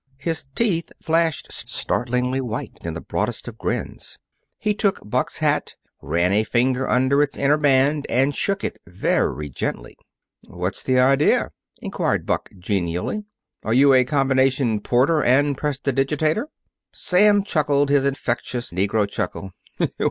His teeth flashed startlingly white in the broadest of grins. He took Buck's hat, ran a finger under its inner band, and shook it very gently. "What's the idea?" inquired Buck genially. "Are you a combination porter and prestidigitator?" Sam chuckled his infectious negro chuckle.